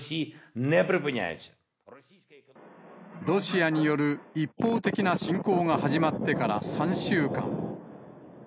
ロシアによる一方的な侵攻が始まってから３週間。